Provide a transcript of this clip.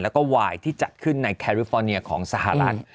แล้วก็วายที่จัดขึ้นในแคริฟอร์เนียของสหรัฐ